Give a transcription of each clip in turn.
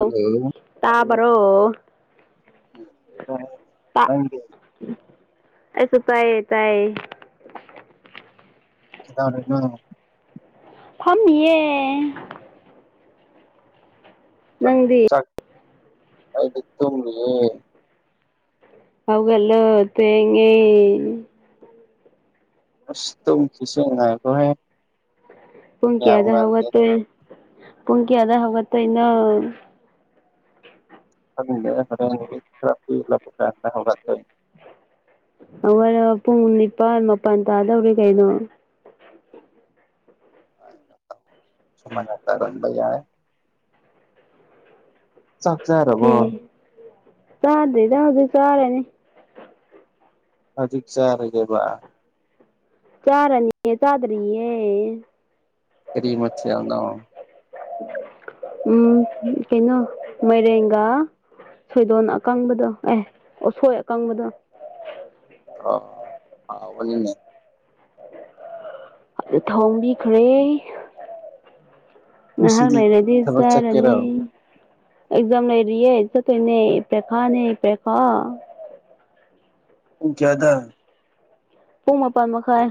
[unintelligible] hello ꯇꯥꯕ꯭ꯔꯣ ꯇ ꯅꯪꯒꯤ ꯑꯩꯁꯨ ꯇꯥꯏꯌꯦ ꯇꯥꯏꯌꯦ [unintelligible] ꯐꯝꯃꯤꯌꯦꯦ ꯆ ꯅꯪꯗꯤ ꯆ ꯍꯥꯏꯗꯤ ꯇꯣꯡꯦ ꯍꯧꯥꯎꯒꯂꯣ ꯊꯋꯦꯉꯤ ꯑꯁ ꯇꯁꯨ ꯉꯀꯣ ꯍꯦ ꯄ ꯄꯨꯪꯀꯤꯤꯗ ꯍꯧꯠꯇ ꯄꯨꯪꯀꯤꯤꯗ ꯍꯧꯋꯥꯠꯇ ꯏꯅ ꯍ ꯍꯧꯔ ꯑꯋꯥ ꯄꯨꯡ ꯅꯤꯄꯥꯜ ꯃꯥꯄꯜ ꯇꯥꯗꯧꯔꯦ ꯀꯩꯅꯣ ꯁ ꯃꯅ ꯇ ꯔꯟꯕꯩ ꯌꯥꯦ ꯆꯥꯛ ꯆꯔ ꯐ ꯆꯔꯗꯗ ꯍꯧꯗ ꯆꯔꯦꯅꯤ ꯍꯧꯖꯤꯛ ꯆꯔꯒꯦꯕ ꯆꯥꯔꯅꯤ ꯆꯥꯗꯔꯤꯌꯦ ꯀꯔꯤ ꯃꯁ ꯌꯥꯎꯅ ꯎꯝ ꯀꯩꯅꯣ ꯃꯔꯒꯥ ꯁꯣꯏꯗꯣꯟ ꯑꯀꯪꯕꯗ ꯑꯦ ꯑꯁꯣꯏ ꯑꯀꯪꯕꯗ ꯑꯣꯅꯤꯅꯦꯦ ꯑ ꯊꯣꯡꯕꯤꯈ꯭ꯔꯦ ꯉꯍꯥꯛ ꯉꯁꯤꯗꯤ ꯂꯩꯔꯗꯤ ꯊꯕꯛ ꯆꯠꯀꯦꯔꯣ ꯆꯥꯔꯅꯤ ꯑꯦꯛꯖꯝꯅꯔꯤ ꯍꯥꯏ ꯇꯣꯏ ꯅ ꯄꯦ ꯈ ꯅꯄꯦ ꯈ ꯎ ꯀꯗ ꯄꯨꯡ ꯃꯥꯄꯜ ꯃꯈꯥꯏ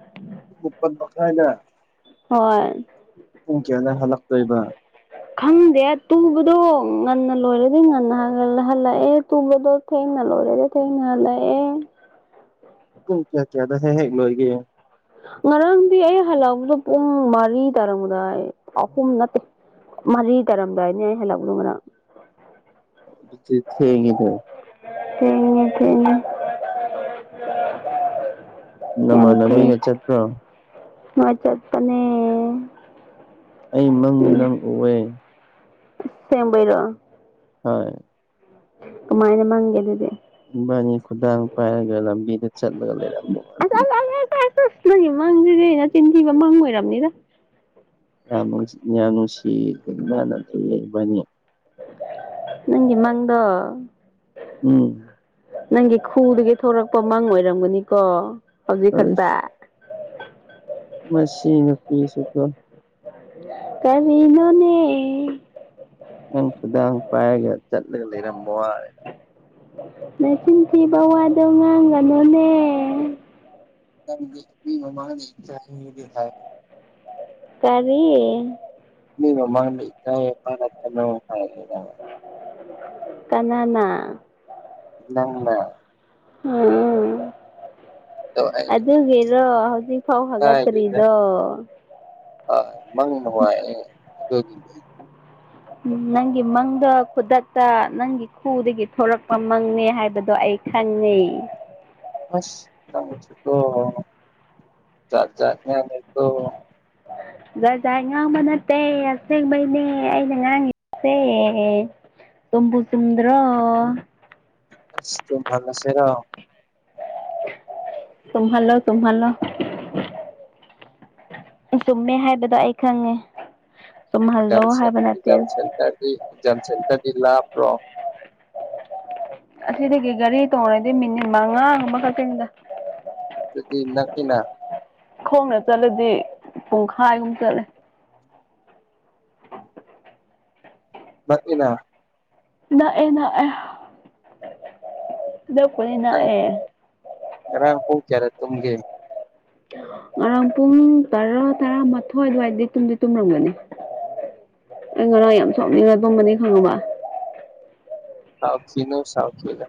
ꯎꯝ ꯃꯥꯄꯜ ꯃꯈꯥꯏꯅ ꯍꯣꯏ ꯎꯨꯡ ꯀꯌꯥꯂ ꯍꯜꯂꯛꯛꯇ ꯇꯣꯏꯕ ꯈꯪꯗꯦ ꯇꯨꯕꯗꯣ ꯉꯟꯅ ꯂꯣꯏꯔꯗꯤ ꯉꯟꯅ ꯍꯜꯂꯛꯑꯦ ꯇꯨꯕꯗꯣ ꯇꯦꯡꯅ ꯂꯣꯔꯦꯗꯦ ꯇꯦꯡꯗ ꯑꯦ ꯀꯣꯏꯀꯤꯦꯌꯥꯀꯦꯗ ꯍꯦ ꯍꯦꯂꯣ ꯑꯩꯒꯤꯦ ꯉꯔꯥꯡꯗꯤ ꯑꯩ ꯍꯜꯂꯛꯑꯕꯗ ꯄꯨꯡ ꯃꯔꯤ ꯇꯥꯔꯛꯗꯥꯏ ꯑꯍꯨꯝ ꯅꯠꯇꯦ ꯃꯔꯤ ꯇꯥꯔꯝꯗꯥꯏꯅꯦ ꯑꯩ ꯍꯜꯂꯛꯗꯒꯅ ꯊꯦꯡꯉ ꯊꯔ ꯊꯦꯡ ꯊꯦꯡ ꯅꯃꯥꯟꯅ ꯃꯤꯒ ꯆꯠꯇ꯭ꯔꯣ ꯃꯣꯏ ꯆꯠꯄꯅꯦ ꯑꯩ ꯃꯪꯗ ꯅꯪ ꯎꯑꯦ ꯁꯦꯝꯕꯔꯔꯣ ꯍ ꯀꯃꯥꯏꯅ ꯃꯪꯒꯦ ꯑꯗꯨꯗꯤ ꯕꯥꯅꯤ ꯈꯨꯗꯥꯥꯡ ꯄꯥꯏꯔꯒ ꯂꯝꯕꯤꯗ ꯆꯠꯂꯒ ꯂꯩꯔꯃ ꯂꯩ ꯃꯪꯗꯗꯦ ꯑꯩꯅ ꯆꯤꯟꯊꯤꯕ ꯃꯪ ꯑꯣꯏꯔꯕꯅꯤꯗ ꯌꯥꯝ ꯌꯥꯝ ꯅꯨꯡꯁꯤꯅꯅ ꯂꯩꯕꯅꯤ ꯅꯪꯒꯤ ꯃꯥꯡꯗꯣ ꯎꯝ ꯅꯪꯒꯤ ꯈꯨꯗꯒꯤ ꯊꯣꯔꯛꯄ ꯃꯪ ꯑꯣꯏꯔꯝꯒꯅꯤꯀꯣ ꯍꯧꯖꯤꯛ ꯈꯛꯇ ꯃꯁꯤꯟ ꯄꯤꯁꯀ ꯀꯃꯤꯅꯣꯅꯦ ꯅꯪ ꯈꯨꯗꯥꯡ ꯄꯥꯏꯔꯒ ꯆꯠꯂꯒ ꯂꯩꯔꯝꯕ ꯋꯥꯔꯦ ꯅ ꯆꯤꯟꯊꯤꯕ ꯋꯥꯗꯣ ꯉꯥꯡꯒꯅꯨꯅꯦ ꯆꯗꯤ ꯍꯥꯏ ꯀꯔꯤ ꯃꯂꯤ ꯄꯔ ꯀꯅꯥꯅ ꯏ ꯎꯝ ꯑꯗꯣ ꯑꯩꯅꯗꯤ ꯑꯗꯨꯒꯤꯔꯣ ꯍꯧꯖꯤꯛ ꯐꯥꯎ ꯐꯒꯠꯇ꯭ꯔꯤꯗꯣ ꯑ ꯃꯪ ꯅꯨꯡꯉꯥꯏ ꯑꯗꯨꯒꯤ ꯅꯪꯒꯤ ꯃꯪꯗꯣ ꯈꯨꯗꯛꯇ ꯅꯪꯒꯤ ꯈꯨꯗꯒꯤ ꯊꯣꯔꯛꯄ ꯃꯪꯅꯦ ꯍꯥꯏꯕꯗꯣ ꯑꯩ ꯆꯟꯅꯩ ꯑꯁ ꯃꯀꯥꯠꯖꯥꯠꯅꯤꯀꯣ ꯖꯥꯏ ꯉꯥꯡꯕ ꯅꯠꯇꯦ ꯑꯁꯦꯡꯕꯩꯅꯦ ꯑꯩꯅ ꯉꯥꯡꯈꯤꯕꯁꯦ ꯇꯝꯄꯨ ꯁꯨꯝꯗ꯭ꯔ ꯑꯁꯇꯚꯜꯁꯦꯔꯣ ꯇꯨꯝꯍꯜꯂꯣ ꯇꯨꯅꯣ ꯆꯨꯝꯃꯦ ꯍꯥꯏꯕꯗꯣ ꯑꯩ ꯈꯪꯉꯦ ꯆꯨꯝꯍꯜꯂꯣ ꯍꯥꯏꯕ ꯅꯠꯇꯦ ꯗꯤ ꯖꯝꯁꯦꯟꯗꯔꯗꯤ ꯂꯥꯛꯄ꯭ꯔꯣ ꯑꯁꯤꯗꯒꯤ ꯒꯥꯔꯤ ꯇꯣꯡꯉꯔꯗꯤ ꯃꯤꯅꯤꯠ ꯃꯉꯥ ꯑꯃꯈꯛꯇꯪꯗ ꯑꯗꯨꯗꯤ ꯅꯀꯤꯅ ꯈꯣꯡꯅ ꯆꯠꯂꯗꯤ ꯄꯨꯡꯈꯥꯏꯒꯨꯝ ꯆꯠꯂꯦ ꯃꯅ ꯅꯥꯥꯛꯑꯦ ꯅꯥꯑꯦꯗ ꯀꯅꯤ ꯅꯥꯥꯛꯑꯦ ꯑꯔ ꯍꯣ ꯀꯔꯦ ꯇꯒꯦ ꯉꯔꯥꯡ ꯄꯨꯡ ꯇꯔꯥ ꯇꯔꯥꯃꯊꯣꯏ ꯑꯗꯨꯋꯥꯏꯗꯤ ꯇꯨꯝꯗꯤ ꯇꯨꯝꯔꯝꯒꯅꯤ ꯑꯩ ꯉꯔꯥꯡ ꯌꯥꯝ ꯁꯣꯛꯅꯤꯡꯉ ꯇꯨꯝꯕꯅꯤ ꯈꯪꯉꯕ ꯁꯥꯎꯈꯤꯅꯣ ꯁꯥꯎꯈꯤꯤꯂ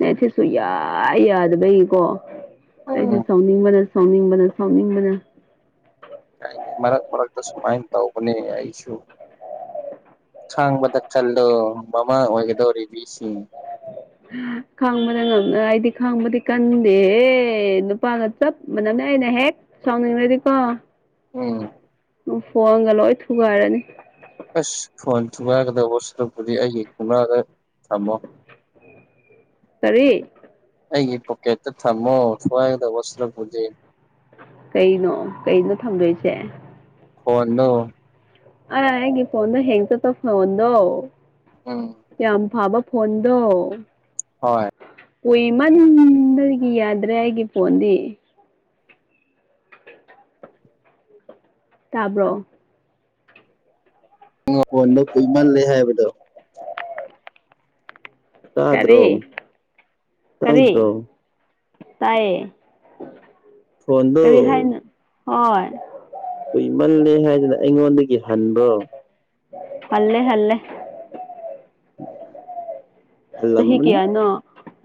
ꯅ ꯁꯤꯁꯨ ꯌꯥ ꯌꯥꯗꯕꯩꯀꯣ ꯑꯩꯁꯨꯦ ꯎꯝ ꯁꯥꯎꯅꯤꯡꯕꯅ ꯐꯥꯎꯅꯤꯡꯕꯅ ꯁꯥꯎꯅꯤꯡꯕꯅ ꯀꯥꯏꯅꯤ ꯃꯔꯛ ꯃꯔꯛꯇ ꯁꯨꯃꯥꯏꯅ ꯇꯧꯕꯅꯦ ꯑꯩꯁꯨ ꯈꯥꯡꯕꯗ ꯈꯜꯗꯣ ꯃꯃꯥ ꯑꯣꯏꯒꯗꯧꯔꯤꯕꯁꯤꯡ ꯈꯪꯕꯅ ꯉꯝ ꯑꯩꯗꯤ ꯈꯪꯕꯗꯤ ꯀꯟꯗꯦꯍꯦ ꯅꯨꯄꯥꯒ ꯆꯞ ꯃꯅꯝꯅ ꯑꯩꯅ ꯍꯦꯛ ꯁꯅꯤꯕꯦꯗꯤꯀꯣ ꯎꯝ ꯎ ꯐꯣꯟꯒ ꯂꯣꯏ ꯊꯨꯒꯥꯏꯔꯅꯤ ꯑꯁ ꯐꯣꯟ ꯊꯨꯒꯥꯏꯒꯗꯕ ꯋꯥꯆꯞꯇꯨꯗꯤ ꯑꯩꯒꯤ ꯀꯨꯡꯅꯥꯗ ꯊꯝꯃꯣ ꯇꯔꯤꯛ ꯑꯩꯒꯤ ꯄꯣꯀꯦꯠꯇ ꯊꯝꯃꯣ ꯊꯋꯥꯏꯗ ꯋꯥꯁꯂ ꯄꯨꯖꯩ ꯀꯩꯅꯣ ꯀꯩꯅꯣ ꯊꯝꯗꯣꯏꯁꯦ ꯐꯅ ꯑ ꯍ ꯏ ꯐꯟ ꯍꯡ ꯇ ꯇ ꯐꯣꯟꯟ ꯎꯝ ꯌꯥꯝ ꯐꯥꯕ ꯐꯣꯟꯗꯣ ꯍꯣꯏ ꯀꯨꯏ ꯃꯟꯗꯒꯤ ꯌꯥꯗ꯭ꯔꯦ ꯑꯩꯒꯤ ꯐꯣꯟꯗꯤ ꯇꯥꯕ꯭ꯔꯣ ꯣꯡꯥꯄꯣꯟꯗꯣ ꯀꯨꯏꯃꯜꯂꯦ ꯍꯥꯏꯕꯗꯣ ꯀꯔꯤ ꯇꯥꯗ꯭ꯔꯣ ꯀꯔꯤ ꯇꯥꯗ꯭ꯔꯣ ꯇꯥꯏꯌꯦ ꯐꯣꯟꯗꯣ ꯀꯔꯤ ꯍꯥꯏꯅꯣ ꯍꯣꯏ ꯀꯨꯏꯃꯜꯂꯦ ꯍꯥꯏꯗꯅ ꯑꯩꯉꯣꯟꯗꯒꯤ ꯍꯟꯕ꯭ꯔꯣ ꯍꯜꯂꯦ ꯍꯂꯦ ꯎꯝ ꯆꯍꯤ ꯀꯌꯥꯅꯣ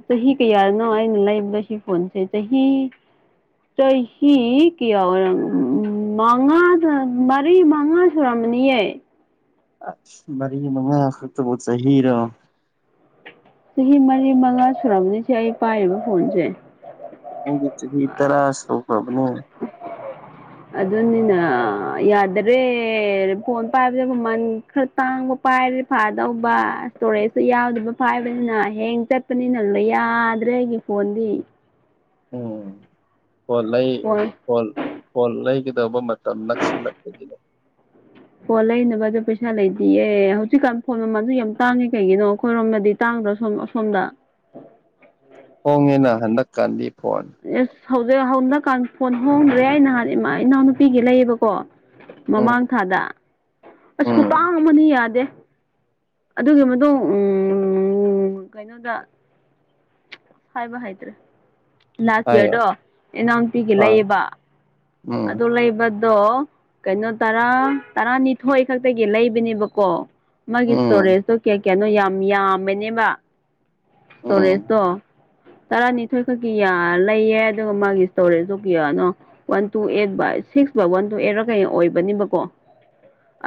ꯆꯍꯤ ꯀꯌꯥꯅꯣ ꯑꯩꯅ ꯂꯩꯕꯗ ꯁꯤ ꯐꯣꯟꯁꯦ ꯆꯍꯤ ꯆꯍꯤ ꯍ ꯀ ꯎ ꯃꯉꯥ ꯃꯔꯤ ꯃꯉꯥ ꯁꯨꯔꯝꯃꯅꯤꯌꯦ ꯑꯁ ꯃꯔꯤ ꯃꯉꯥ ꯈꯛꯇꯕꯨ ꯆꯍꯤꯔꯣ ꯆꯍꯤ ꯃꯔꯤ ꯃꯉꯥ ꯁꯨꯔꯔꯕꯅꯤꯁꯦ ꯑꯩ ꯄꯥꯏꯔꯤꯕ ꯐꯣꯟꯁꯦ ꯆꯍꯤ ꯆꯍꯤ ꯇꯔ ꯁꯣ ꯀꯕꯅꯤ ꯑꯗꯨꯅꯤꯅ ꯌꯥꯗꯔꯦ ꯐꯣꯟ ꯄꯥꯏꯕꯗ ꯃꯃꯟ ꯈꯔ ꯇꯥꯡꯕ ꯄꯥꯏꯔꯦ ꯐꯥꯗꯧꯕ ꯏꯁꯇꯣꯔꯦꯖꯇ ꯌꯥꯎꯗꯕ ꯐꯥꯏꯕꯅꯤꯅ ꯍꯦꯡ ꯆꯠ ꯆꯠꯄꯅꯤꯅ ꯂ ꯌꯥꯗ꯭ꯔꯦ ꯑꯩꯒꯤ ꯐꯣꯟꯗꯤ ꯍꯣꯟ ꯐꯣꯟ ꯂꯩꯣꯟ ꯐꯣꯟ ꯂꯩꯒꯗꯧꯕ ꯃꯇꯝ ꯅꯛꯁꯤꯜꯂꯛꯄꯒꯤꯅꯦ ꯑꯣꯣ ꯂꯩꯅꯕꯗꯣ ꯄꯩꯁꯥ ꯂꯩꯇꯌꯦ ꯍꯧꯖꯤꯛꯀꯥꯟ ꯐꯣꯟ ꯃꯃꯜꯁꯨ ꯌꯥꯝ ꯇꯥꯡꯉꯦ ꯀꯩꯒꯤꯅꯣ ꯑꯩꯈꯣꯏꯔꯣꯝꯗꯗꯤ ꯇꯥꯡꯗ ꯁꯣꯝ ꯑꯁꯣꯝꯗ ꯍꯣꯡꯉꯦꯅ ꯍꯟꯗꯛꯀꯥꯟꯗꯤ ꯐꯣꯟ ꯑꯦꯁ ꯍꯧꯖꯤꯛ ꯍꯧꯖꯤꯗꯛꯀꯥꯟ ꯐꯣꯟ ꯍꯣꯡꯗ꯭ꯔꯦ ꯑꯩ ꯅꯍꯥꯟ ꯏꯃꯥ ꯏꯅꯥꯎꯅꯨꯄꯤꯒꯤ ꯂꯩꯌꯦꯕꯀꯣ ꯎꯝ ꯃꯃꯥꯡ ꯊꯥꯗ ꯑꯁ ꯎꯝ ꯈꯨꯇꯥꯡ ꯑꯃ ꯌꯥꯗꯦ ꯑꯗꯨꯒꯤ ꯃꯇꯨꯡ ꯎ ꯀꯩꯅꯣꯗ ꯍꯥꯏꯕ ꯍꯥꯏꯗ꯭ꯔꯦ ꯂꯥꯁ ꯍꯥꯏꯌꯣ ꯌꯌꯥꯔꯗꯣ ꯑꯦꯅꯥꯎꯟꯄꯤꯒꯤ ꯍꯣꯏ ꯂꯩꯌꯦꯕ ꯎꯝ ꯑꯗꯨ ꯂꯩꯕ ꯑꯗꯣ ꯀꯩꯅꯣ ꯇꯔꯥ ꯇꯔꯥꯅꯤꯊꯣꯏ ꯈꯛꯇꯒꯤ ꯂꯩꯕꯅꯦꯕꯀꯣ ꯃꯥꯒꯤ ꯎꯝ ꯏꯁꯇꯣꯔꯦꯖꯇꯣ ꯀꯌꯥ ꯀꯌꯥꯅꯣ ꯌꯥꯝ ꯌꯥꯝꯃꯦꯅꯦꯕ ꯎꯝ ꯏꯁꯇꯣꯔꯦꯖꯇꯣ ꯇꯔꯥꯅꯤꯊꯣꯏ ꯈꯛꯀꯤ ꯌꯥ ꯂꯩꯌꯦ ꯑꯗꯨꯒ ꯃꯥꯒꯤ ꯏꯁꯇꯣꯔꯦꯁꯇꯣ ꯀꯌꯥꯅꯣ one two eight by six by one two ꯑꯦꯠꯔ ꯀꯩꯅ ꯑꯣꯏꯕꯅꯤꯕꯀꯣ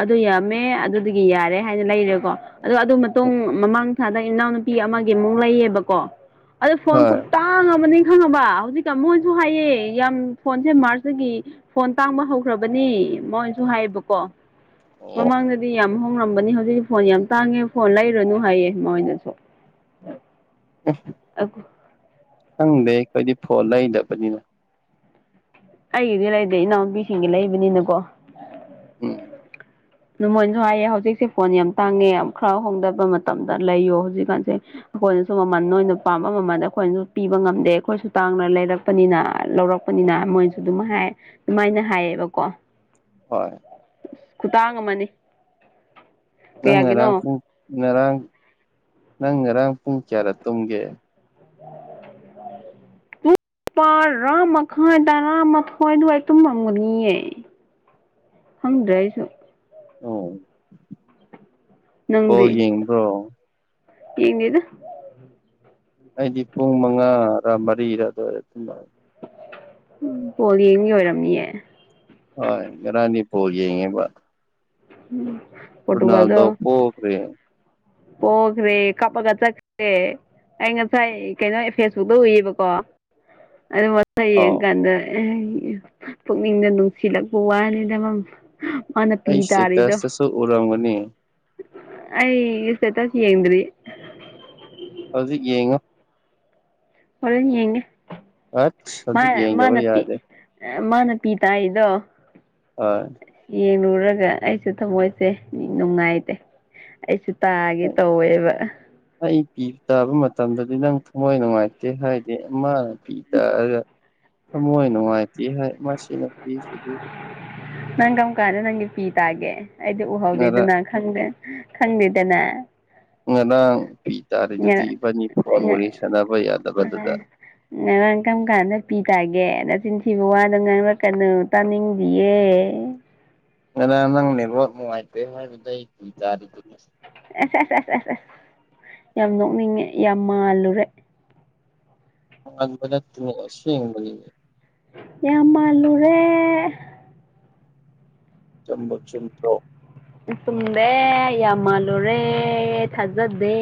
ꯑꯗꯨ ꯌꯥꯝꯃꯦ ꯑꯗꯨꯗꯒꯤ ꯌꯥꯔꯦ ꯍꯥꯏꯅ ꯂꯩꯔꯦꯀꯣ ꯑꯗꯣ ꯑꯗꯨ ꯃꯇꯨꯡ ꯎꯝ ꯃꯃꯥꯡ ꯊꯥꯗ ꯏꯅꯥꯎꯅꯨꯄꯤ ꯑꯃꯒꯤ ꯑꯃꯨꯛ ꯂꯩꯌꯦꯕꯀꯣ ꯑꯗꯣ ꯐꯣꯟ ꯀ ꯍꯣꯏ ꯇꯥꯡꯉꯕꯅꯤ ꯈꯪꯉꯕ ꯍꯧꯖꯤꯛꯀ ꯃꯛꯣꯏꯁꯨ ꯍꯥꯏꯌꯦ ꯌꯥꯝ ꯐꯣꯟꯁꯦ ꯃꯥꯔꯁ ꯁꯤꯒꯤ ꯐꯣꯟ ꯇꯥꯡꯕ ꯍꯧꯈ꯭ꯔꯕꯅꯦ ꯃꯣꯏꯁꯨ ꯍꯥꯏꯌꯦꯕꯀꯣ ꯑꯣ ꯃꯃꯥꯡꯗꯗꯤ ꯑꯗꯨꯗꯤ ꯌꯥꯝ ꯍꯣꯡꯡꯂꯝꯕꯅꯤ ꯍꯧꯖꯤꯛꯇꯤ ꯐꯣꯟ ꯌꯥꯝ ꯇꯥꯡꯉꯦ ꯐꯣꯟ ꯂꯩꯔꯨꯅꯨ ꯍꯥꯏꯌꯦ ꯃꯣꯏꯅꯁꯨ ꯎ ꯈꯪꯗꯦ ꯑꯩꯈꯣꯏꯗꯤ ꯐꯣꯟ ꯂꯩꯗꯕꯅꯤꯅ ꯑꯩꯒꯤꯗꯤ ꯂꯩꯗꯦ ꯏꯅꯥꯎꯅꯨꯄꯤꯁꯤꯡꯒꯤ ꯂꯩꯕꯅꯤꯅꯀꯣ ꯎꯝ ꯅ ꯃꯣꯏꯅꯁꯨ ꯍꯥꯏꯌꯦ ꯍꯧꯖꯤꯛꯁꯦ ꯐꯣꯟ ꯌꯥꯝ ꯇꯥꯡꯉꯦ ꯈꯔ ꯍꯣꯡꯗꯕ ꯃꯇꯝꯗ ꯂꯩꯌꯣ ꯍꯧꯖꯤꯛꯀꯥꯟꯁꯦ ꯑꯩꯈꯣꯏꯅꯁꯨ ꯃꯃꯜ ꯅꯣꯏꯅ ꯄꯥꯝꯕ ꯃꯃꯜꯗ ꯑꯩꯈꯣꯏꯅꯁꯨ ꯄꯤꯕ ꯉꯝꯗꯦ ꯑꯩꯈꯣꯏꯁꯨ ꯇꯥꯡꯅ ꯂꯩꯔꯛꯄ ꯄꯅꯤꯅ ꯂꯧꯔꯛꯄꯅꯤꯅ ꯃꯣꯏꯁꯨ ꯑꯗꯨꯝ ꯍꯥꯏ ꯑꯗꯨꯃꯥꯏꯅ ꯍꯥꯏꯌꯦꯕꯀꯣ ꯍꯣꯏ ꯇꯥꯡ ꯑꯃꯅꯤ ꯅꯪ ꯉꯔꯥꯡ ꯀꯌꯥꯒꯤꯅꯣ ꯄꯨꯡ ꯉꯔꯥꯡ ꯅꯪ ꯉꯔꯥꯡ ꯄꯨꯡ ꯀꯌꯥꯗ ꯇꯨꯝꯒꯦ ꯄꯥꯔꯥ ꯃꯈꯥꯏ ꯇꯔꯥ ꯃꯥꯊꯣꯏ ꯑꯗꯨꯋꯥꯏ ꯇꯨꯝꯃꯝꯒꯅꯤꯌꯦ ꯈꯪꯗ꯭ꯔꯦ ꯑꯩꯁꯨ ꯑꯣ ꯕꯣꯜ ꯅꯪꯗꯤ ꯌꯦꯡꯕ꯭ꯔꯣ ꯌꯦꯉꯗ ꯑꯩꯗꯤ ꯄꯨꯡ ꯃꯉꯥꯔꯥ ꯃꯔꯤꯔꯥ ꯑꯗꯨꯋꯥꯏꯗ ꯇꯨꯝꯕ ꯎ ꯄꯣꯜ ꯌꯦꯡꯒꯤ ꯑꯣꯏꯔꯝꯅꯤꯌꯦ ꯍꯣꯏ ꯉꯔꯥꯡꯗꯤ ꯕꯣꯜ ꯌꯦꯡꯉꯦꯕ ꯎꯝ ꯄꯣꯜꯇꯨꯒꯥꯜꯗꯣ ꯔꯣꯅꯥꯜꯗꯣ ꯄꯣꯈ꯭ꯔꯦ ꯄꯣꯈꯔ꯭ꯦ ꯀꯞꯄꯒ ꯆꯥꯠꯈꯔ꯭ꯦ ꯑꯩ ꯉꯁꯥꯏ ꯀꯩꯅꯣ ꯐꯦꯁꯕꯨꯛꯇ ꯎꯏꯌꯦꯕꯀꯣ ꯑꯗꯨ ꯑꯥꯎ ꯌꯦꯡꯉꯀꯥꯟꯗ ꯄꯨꯛꯅꯤꯡꯗ ꯅꯨꯡꯁꯤꯜꯂꯛꯄ ꯋꯥꯅꯤꯗꯃ ꯃꯥꯅ ꯄꯤ ꯇꯥꯔꯤꯗꯣ ꯇꯁ ꯇꯁꯨ ꯎꯔꯝꯒꯅꯤ ꯑꯩ ꯁ꯭ꯇꯦꯇꯁ ꯌꯦꯡꯗ꯭ꯔꯤ ꯍꯧꯖꯤꯛ ꯌꯦꯡꯉꯣ ꯍꯣꯔꯦꯟ ꯌꯦꯡꯒꯦ ꯑꯁ ꯍꯧꯖꯤꯛ ꯃꯥꯅ ꯌꯦꯡꯗꯕ ꯃꯥꯅ ꯄꯤ ꯌꯥꯗꯦ ꯃꯥꯅ ꯄꯤꯕ ꯇꯔꯤꯗꯣ ꯍꯣꯢ ꯌꯦꯡꯂꯨꯔꯒ ꯑꯩꯁꯨ ꯊꯃꯣꯏꯁꯦ ꯅꯨꯡꯉꯥꯏꯇꯦ ꯑꯩꯁꯨ ꯇꯥꯒꯦ ꯇꯧꯋꯦꯕ ꯑꯩ ꯄꯤ ꯇꯥꯕ ꯃꯇꯝꯗꯗꯤ ꯅꯪ ꯊꯃꯣꯏ ꯅꯨꯡꯉꯥꯏꯇꯦ ꯍꯥꯏꯗꯤ ꯃꯅ ꯄꯤ ꯇꯥꯔꯒꯥ ꯊꯃꯣꯏ ꯅꯨꯡꯉꯥꯏꯇꯦ ꯍꯥꯏ ꯃꯁꯤꯅ ꯅꯪ ꯀꯔꯝꯀꯥꯟꯗ ꯅꯪꯒꯤ ꯄꯤ ꯇꯥꯒꯦ ꯑꯩꯗꯤ ꯎꯍꯧꯗꯦꯗ ꯉꯔꯥꯡ ꯅꯪ ꯈꯪꯗꯦ ꯈꯪꯗꯦꯗꯅ ꯉꯔꯥꯡ ꯄꯤ ꯇꯥꯔꯤꯗꯨꯗꯤ ꯏꯕꯅꯤ ꯐꯣꯟ ꯋꯔꯤ ꯁꯥꯟꯅꯕ ꯌꯥꯗꯕꯗꯨꯗ ꯑꯦ ꯉꯔꯥꯡ ꯀꯔꯝ ꯀꯥꯟꯗ ꯄꯤ ꯇꯥꯒꯦ ꯅꯆꯤꯟꯊꯤꯕ ꯋꯥꯗꯣ ꯉꯥꯡꯔꯛꯀꯅꯨ ꯇꯥꯅꯤꯡꯗꯤꯌꯦ ꯉꯔꯥꯡ ꯅꯪ ꯅꯦꯠꯋꯥꯛ ꯅꯨꯡꯉꯥꯏꯇꯦ ꯍꯥꯏꯕꯗꯩ ꯄꯤ ꯇꯔꯤꯗꯨꯗꯤ ꯑꯁ ꯑꯁ ꯑꯁ ꯑꯁ ꯑꯁ ꯌꯥꯝ ꯅꯣꯛꯅꯤꯡꯉꯦ ꯌꯥꯝ ꯃꯥꯜꯂꯨꯔꯦ [unintelligible] ꯌꯥꯝ ꯃꯜꯂꯨꯔꯦ ꯆꯨꯝꯕꯨ ꯆꯨꯝꯗ꯭ꯔꯣ ꯆꯨꯝꯃꯦ ꯌꯥꯝ ꯃꯥꯜꯂꯨꯔꯦ ꯊꯥꯖꯗꯦ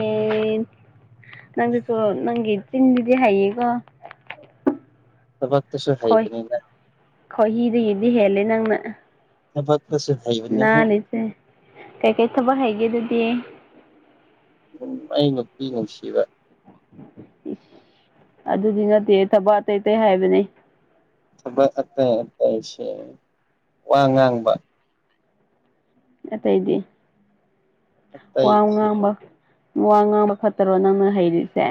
ꯅꯪꯗꯨꯁꯨ ꯅꯪꯒꯤ ꯆꯤꯟꯁꯤꯗꯤ ꯍꯩꯌꯦꯀꯣ ꯊꯕꯛꯇꯁꯨꯨ ꯈꯣꯏ ꯍꯥꯩꯕꯅꯤꯅꯦ ꯈꯣꯏꯍꯤꯗꯒꯤꯗꯤ ꯍꯦꯜꯂꯦ ꯅꯪꯅ [unintelligible] ꯅꯥꯜꯂꯤꯆꯦ ꯀꯩꯀꯩ ꯊꯕꯛ ꯍꯩꯒꯦ ꯑꯗꯨꯗꯤ ꯎ ꯑꯩ ꯅꯨꯄꯤ ꯅꯨꯡꯁꯤꯕ ꯏꯁ ꯑꯗꯨꯗꯤ ꯅꯠꯇꯦ ꯊꯕꯛ ꯑꯇꯩ ꯑꯇꯩ ꯍꯥꯏꯕꯅꯦ ꯊꯕꯛ ꯑꯇꯩ ꯑꯇꯩꯁꯦ ꯋꯥ ꯉꯥꯡꯕ ꯑꯇꯩꯗꯤ ꯋꯥ ꯑꯇꯩꯁꯦ ꯉꯥꯡꯕ ꯋꯥ ꯉꯥꯡꯕ ꯐꯠꯇꯔꯣ ꯅꯪꯅ ꯍꯩꯔꯤꯁꯦ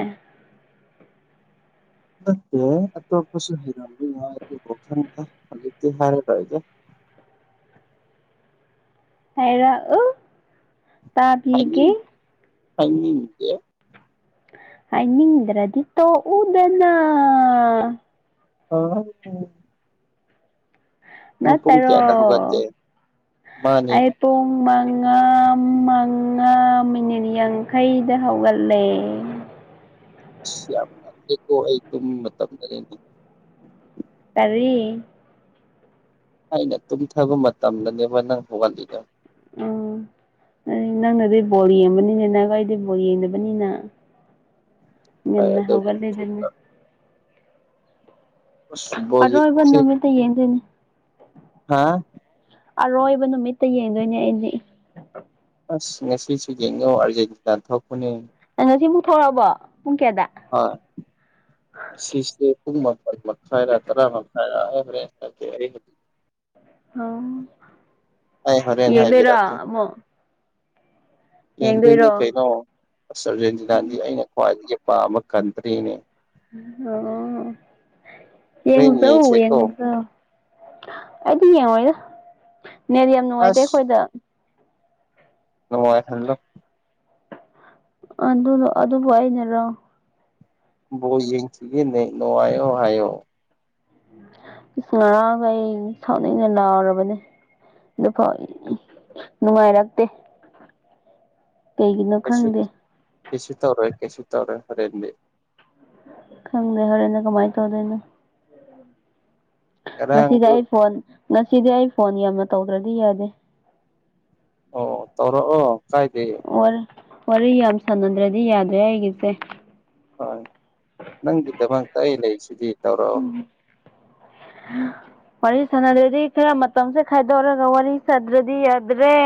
ꯅꯠꯇꯦ ꯑꯇꯣꯞꯄꯁꯨ ꯍꯩꯔꯝꯕ ꯌꯥꯏ ꯑꯗꯨꯕꯨ ꯈꯪꯗꯦ ꯍꯧꯖꯤꯛꯇꯤ ꯍꯥꯏꯔꯔꯣꯏꯒꯦ ꯍꯥꯏꯔꯛꯎ ꯇꯥꯕꯤꯒꯦ ꯍꯥꯏꯅꯤꯡ ꯍꯥꯏꯅꯤꯡꯗꯦ ꯍꯥꯢꯅꯤꯡꯗ꯭ꯔꯗꯤ ꯇꯣꯛꯎꯅꯦ ꯅꯪ ꯍꯣꯢ ꯅꯪ ꯄꯨꯡ ꯅꯠꯇꯔꯣ ꯀꯌꯥꯗ ꯍꯧꯒꯠꯀꯦ ꯃꯥꯅꯤ ꯑꯩ ꯄꯨꯡ ꯃꯉꯥ ꯃꯉꯥ ꯃꯤꯅꯤꯠ ꯌꯥꯡꯈꯩꯗ ꯍꯧꯒꯠꯂꯦ ꯑꯁ ꯌꯥꯝ ꯉꯜꯂꯤꯀꯣ ꯑꯩ ꯇꯨꯝ ꯃꯇꯝꯗꯅꯦ ꯀꯔꯤ ꯑꯩꯅ ꯇꯨꯝꯊꯕ ꯃꯇꯝꯗꯅꯦꯕ ꯅꯪ ꯍꯧꯒꯠꯂꯤꯗꯣ ꯎꯝ ꯎꯝ ꯅꯪꯅꯗꯤ ꯕꯣꯜ ꯌꯦꯡꯕꯅꯤꯅꯦ ꯅꯒ ꯑꯩꯗꯤ ꯕꯣꯜ ꯌꯦꯡꯗꯕꯅꯤꯅ ꯍꯣꯏ ꯉꯜꯅ ꯑꯗꯨꯕꯨꯗꯤ ꯍꯩꯒꯛꯂꯦꯗꯅ ꯆꯨꯝꯕ ꯑꯁ ꯕꯣꯜ ꯑꯗꯣ ꯑꯔꯣꯢꯕ ꯌꯦꯡꯕꯁꯦ ꯅꯨꯃꯤꯠꯇ ꯌꯦꯡꯗꯣꯢꯅꯤ ꯍꯥꯥ ꯑꯔꯣꯏꯕ ꯅꯨꯃꯤꯠꯇ ꯌꯦꯡꯗꯣꯏꯅꯦ ꯑꯩꯗꯤ ꯑꯁ ꯉꯁꯤꯁꯨ ꯌꯦꯡꯉꯣ ꯑꯥꯔꯖꯦꯟꯇꯤꯅꯥ ꯊꯣꯛꯄꯅꯦ ꯑꯥꯔꯖꯦꯟꯇꯤꯅꯥ ꯃꯨꯛ ꯊꯣꯛꯔꯛꯑꯕꯣ ꯄꯨꯡ ꯀꯌꯥꯗ ꯍꯣꯏ ꯁꯤꯁꯇꯨ ꯄꯨꯡ ꯃꯥꯄꯜ ꯃꯈꯥꯏꯔ ꯇꯔꯥ ꯃꯈꯥꯏꯔ ꯍꯥꯏꯈ꯭ꯔꯦ ꯑꯣ ꯑꯩ ꯌꯦꯡꯗꯣꯢꯔꯣ ꯑꯃꯨꯛ ꯌꯦꯡꯗꯣꯏꯅꯦ ꯌꯦꯡꯗꯣꯏꯔꯣ ꯀꯩꯅꯣ ꯑꯁ ꯑꯔꯖꯦꯟꯇꯤꯅꯥꯗꯤ ꯑꯩꯅ ꯈ꯭ꯋꯥꯏꯗꯒꯤ ꯄꯥꯝꯝꯕ ꯀꯟꯇ꯭ꯔꯤꯅꯦ ꯑꯣ ꯍꯣꯔꯦꯟ ꯌꯦꯡꯡꯖꯎ ꯌꯦꯡꯁꯦꯀꯣ ꯌꯦꯡꯖ ꯑꯩꯗꯤ ꯌꯦꯡꯉꯣꯏꯗ ꯅꯦꯗꯤ ꯌꯥꯝ ꯅꯨꯡꯉꯥꯏꯇꯦ ꯑꯁ ꯑꯩꯈꯣꯏꯗ ꯋꯥꯏ ꯍꯜꯂꯣ ꯑꯗꯨꯣ ꯑꯗꯨꯕꯨ ꯍꯥꯏꯅꯔꯣ ꯣ ꯌꯦꯡꯁꯤꯦ ꯅ ꯅꯑꯣ ꯍꯥꯏꯣ ꯏꯁ ꯉꯔꯥꯡꯒ ꯑꯩ ꯁꯥꯎꯅꯤꯡꯩꯅ ꯂꯥꯎꯔꯕꯅꯦ ꯑꯗꯨ ꯐ ꯅꯨꯡꯉꯥꯏꯔꯛꯇꯦ ꯀꯩꯒꯤꯅꯣ ꯀꯩꯁꯨ ꯈꯪꯗꯦ ꯀꯩꯁꯨ ꯇꯧꯔꯣꯏ ꯀꯩꯁꯨ ꯇꯧꯔꯣꯏ ꯍꯣꯔꯦꯟꯗꯤ ꯈꯪꯗꯦ ꯍꯔꯅ ꯀꯃꯥꯏ ꯇꯧꯗꯅ ꯉꯁꯤꯗꯤ ꯉꯔꯥꯡꯗꯨ ꯑꯩ ꯐꯣꯟ ꯉꯁꯤꯗꯤ ꯑꯩ ꯐꯣꯟ ꯌꯥꯝꯅ ꯇꯧꯗ꯭ꯔꯗꯤ ꯌꯥꯗꯦ ꯑꯣ ꯇꯧꯔꯛꯑꯣ ꯀꯥꯏꯗꯦ ꯑꯣ ꯋꯥꯔꯤ ꯌꯥꯝ ꯁꯥꯟꯅꯗ꯭ꯔꯗꯤ ꯌꯥꯗ꯭ꯔꯦ ꯑꯩꯒꯤꯁꯦ ꯍꯣꯏ ꯅꯪꯒꯤꯗꯃꯛꯇ ꯑꯩ ꯂꯩꯔꯤꯁꯤꯗꯤ ꯇꯧꯔꯛꯑꯣ ꯎꯝ ꯋꯥꯔꯤ ꯁꯅꯗ꯭ꯔꯗꯤ ꯈꯔ ꯃꯇꯝꯁꯦ ꯈꯥꯏꯗꯣꯛꯔꯒ ꯋꯥꯔꯤ ꯁꯥꯗ꯭ꯔꯗꯤ ꯌꯥꯗ꯭ꯔꯦ